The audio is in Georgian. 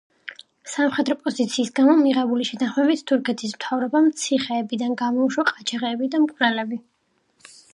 სამხედრო პოზიციის გამო მიღებული შეთანხმებით თურქეთის მთავრობამ ციხეებიდან გამოუშვა ყაჩაღები და მკვლელები.